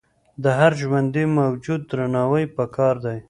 د هر ژوندي موجود درناوی پکار دی.